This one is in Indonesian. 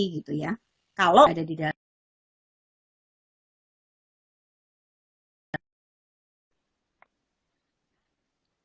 gitu ya kalau ada di dalam